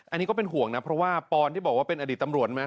อันนี้ก็เป็นห่วงนะเพราะว่าปอนที่บอกว่าเป็นอดีตตำรวจไหม